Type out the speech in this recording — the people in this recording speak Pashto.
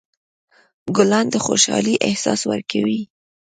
ګلان د خوشحالۍ احساس ورکوي.